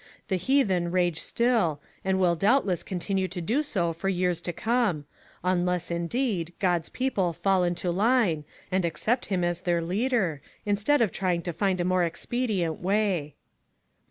The heathen rage still, and will doubtless con tinue to do so for years to come ; unless, indeed, God's people fall into line, and ac cept him as their leader, instead of trying to find a more expedient way."